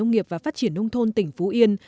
nông nghiệp và phát triển nông thôn tỉnh phú yên